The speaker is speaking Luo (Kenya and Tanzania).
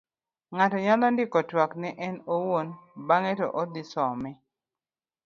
ng'ato nyalo ndiko twak ne en owuon bang'e to odhi some